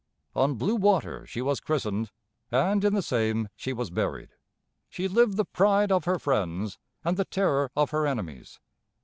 On "blue water" she was christened, and in the same she was buried. She lived the pride of her friends and the terror of her enemies.